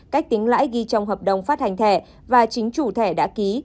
cách tính lãi ghi trong hợp đồng phát hành thẻ và chính chủ thẻ đã ký